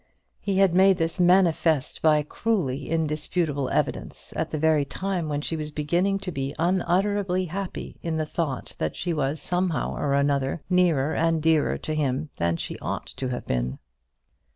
He had made this manifest by cruelly indisputable evidence at the very time when she was beginning to be unutterably happy in the thought that she was somehow or another nearer and dearer to him than she ought to have been.